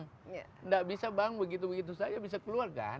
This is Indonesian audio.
tidak bisa bank begitu begitu saja bisa keluar kan